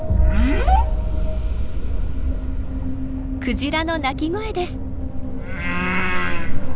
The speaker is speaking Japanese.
クジラの鳴き声です。